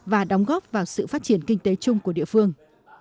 và đóng góp vào sự phát triển kinh tế chung của địa phương